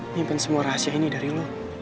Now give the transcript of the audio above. nyimpan semua rahasia ini dari lo